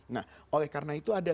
nah oleh karena itu ada